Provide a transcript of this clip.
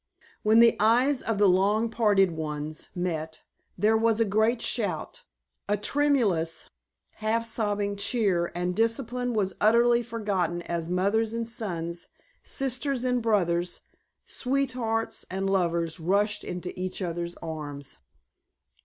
When the eyes of the long parted ones met there was a great shout, a tremulous, half sobbing cheer, and discipline was utterly forgotten as mothers and sons, sisters and brothers, sweethearts and lovers rushed into each other's arms.